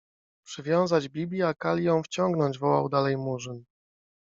— Przywiązać Bibi, a Kali ją wciągnąć! — wołał dalej Murzyn.